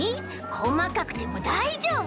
こまかくてもだいじょうぶ。